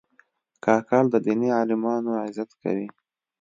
کاکړ د دیني عالمانو عزت کوي.